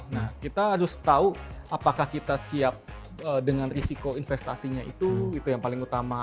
nah kita harus tahu apakah kita siap dengan risiko investasinya itu itu yang paling utama